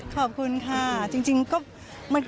ขอบคุณค่ะจริงก็